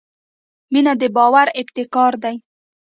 • مینه د باور ابتکار دی.